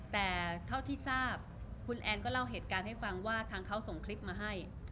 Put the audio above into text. แต่เท่าที่ทราบคุณแอนก็เล่าเหตุการณ์ให้ฟังว่าทางเขาส่งคลิปมาให้